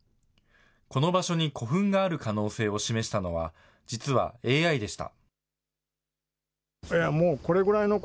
この場所に古墳がある可能性を示したのは、実はＡＩでした。